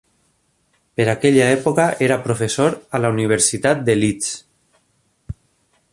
Per aquella època era professor a la Universitat de Leeds.